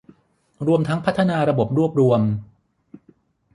รวมทั้งพัฒนาระบบรวบรวม